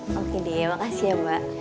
oke deh makasih ya mbak